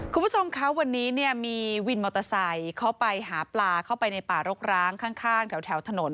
คุณผู้ชมคะวันนี้เนี่ยมีวินมอเตอร์ไซค์เขาไปหาปลาเข้าไปในป่ารกร้างข้างแถวถนน